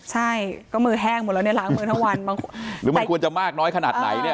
ใช่ก็มือแห้งหมดแล้วเนี่ยล้างมือทั้งวันบางคนหรือมันควรจะมากน้อยขนาดไหนเนี่ย